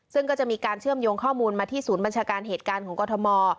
ซึ่งก็จะมีการเชื่อมโยงข้อมูลมาที่ศูนย์บัญชาการเหตุการณ์ของกรทม